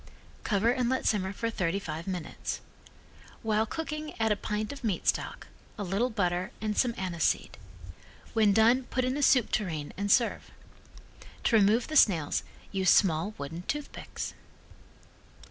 Cover and let simmer for thirty five minutes. While cooking add a pint of meat stock, a little butter and some anise seed. When done put in a soup tureen and serve. To remove the snails use small wooden toothpicks.